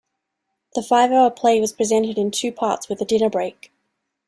The five-hour play was presented in two parts with a dinner break.